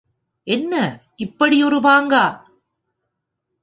என்ன இப்படி ஒரு பாங்கா?